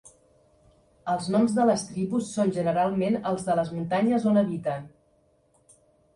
Els noms de les tribus són generalment els de les muntanyes on habiten.